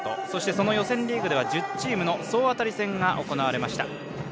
そして、その予選リーグでは１０チームの総当たり戦が行われました。